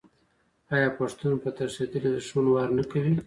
آیا پښتون په تښتیدلي دښمن وار نه کوي؟